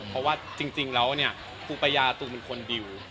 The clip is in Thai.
เพราะว่าจริงแล้วปุปัญญาตูคือคนดิว